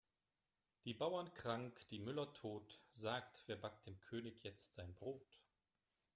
Die Bauern krank, die Müller tot, sagt wer backt dem König jetzt sein Brot?